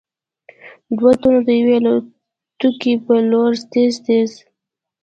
دوو تنو د يوې الوتکې په لور تېز تېز �